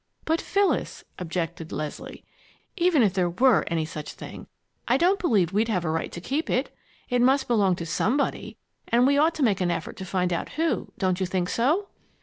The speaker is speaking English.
"But, Phyllis," objected Leslie, "even if there were any such thing, I don't believe we'd have a right to keep it. It must belong to somebody, and we ought to make an effort to find out who. Don't you think so?"